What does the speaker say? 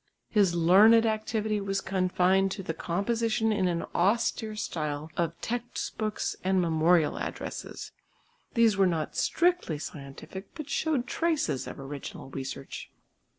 His learned activity was confined to the composition in an austere style of textbooks and memorial addresses. These were not strictly scientific, but showed traces of original research.